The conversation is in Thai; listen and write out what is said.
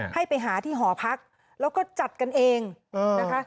ให้ไปหาที่หอพักแล้วก็จัดกันเองนะคะ